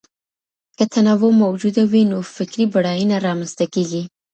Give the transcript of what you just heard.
که تنوع موجوده وي نو فکري بډاينه رامنځته کېږي.